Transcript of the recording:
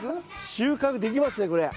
収穫できますねこれ。